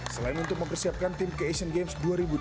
selain untuk mempersiapkan tim ke asian games dua ribu delapan belas